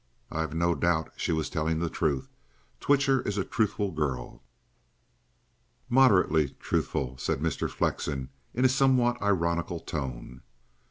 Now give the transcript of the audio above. I've no doubt she was telling the truth. Twitcher is a truthful girl." "Moderately truthful," said Mr. Flexen in a somewhat ironical tone.